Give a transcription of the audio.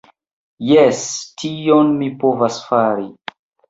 Jes, tion mi povas fari